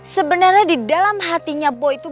sebenarnya di dalam hatinya boy itu